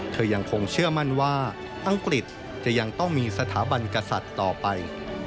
ยังคงเชื่อมั่นว่าอังกฤษจะยังต้องมีสถาบันกษัตริย์ต่อไป